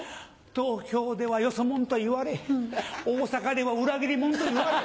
東京ではよそ者と言われ大阪では裏切り者と言われ。